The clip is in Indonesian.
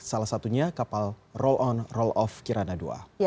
salah satunya kapal roll on roll of kirana ii